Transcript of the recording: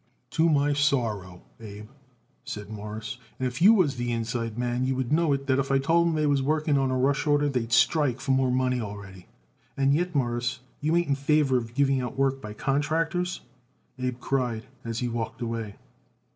"To my sorrow, Abe," said Morris, "and if you was the inside man you would know it that if I told 'em they was working on a rush order they'd strike for more money already." "And yet, Mawruss, you ain't in favor of giving out our work by contractors," Abe cried as he walked away.